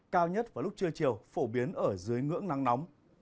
cao nhất vào lúc trưa chiều phổ biến ở dưới ngưỡng nắng nóng